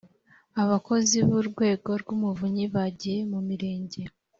abakozi b urwego rw umuvunyi bagiye mu mirenge